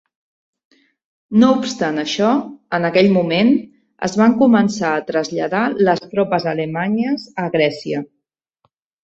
No obstant això, en aquell moment, es van començar a traslladar les tropes alemanyes a Grècia.